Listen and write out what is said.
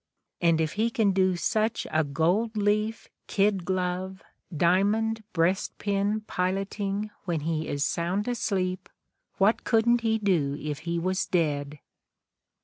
And if he can do such gold leaf, kid glove, diamond breast pin piloting when he is sound asleep, what couldn't he do if he was dead!"